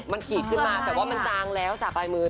มันขีดขึ้นมาแต่ว่ามันจางแล้วจากลายมือ